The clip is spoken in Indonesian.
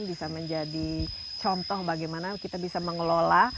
bisa menjadi contoh bagaimana kita bisa mengelola